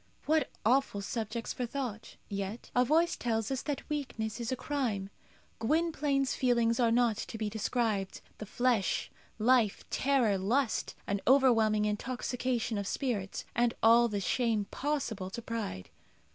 What awful subjects for thought! Yet a voice tells us that weakness is a crime. Gwynplaine's feelings are not to be described. The flesh, life, terror, lust, an overwhelming intoxication of spirit, and all the shame possible to pride.